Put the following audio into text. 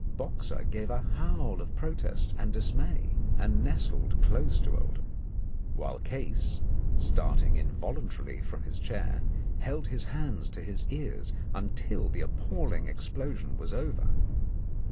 Boxer gave a howl of protest and dismay, and nestled close to Oldham, while Case, starting involuntarily from his chair, held his hands to his ears until the appalling explosion was over.